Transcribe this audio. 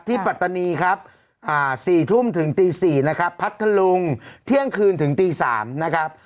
ปัตตานีครับ๔ทุ่มถึงตี๔นะครับพัทธลุงเที่ยงคืนถึงตี๓นะครับ